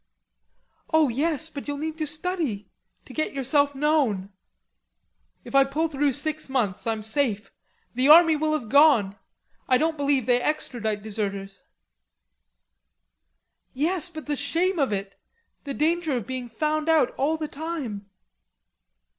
"Oh, yes, but you'll need to study, to get yourself known." "If I can pull through six months, I'm safe. The army will have gone. I don't believe they extradite deserters." "Yes, but the shame of it, the danger of being found out all the time."